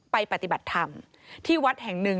ไปปฏิบัติธรรมที่วัดแห่ง๑